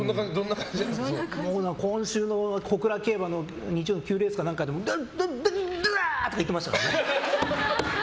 今週の小倉競馬の日曜日９レースかなんかうわー！とか言ってましたからね。